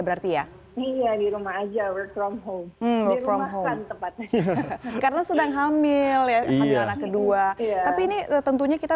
berarti ya iya di rumah aja work from home dirumahkan tempatnya karena sedang hamil ya hamil anak kedua tapi ini tentunya kita